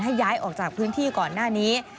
ย้ายออกจากพื้นที่ก่อนหน้านี้